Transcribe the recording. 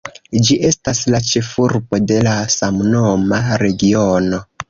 Ĝi estas la ĉefurbo de la samnoma regiono.